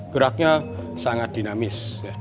geraknya sangat dinamis